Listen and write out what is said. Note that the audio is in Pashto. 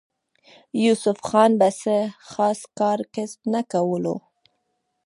يوسف خان به څۀ خاص کار کسب نۀ کولو